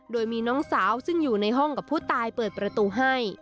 โดยมีน้องสาวซึ่งอยู่ในห้องกับผู้ตายเปิดประตูให้